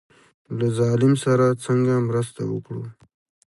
له ظالم سره څرنګه مرسته وکړو.